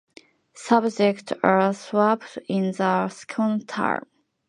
Subjects are swapped in the second term.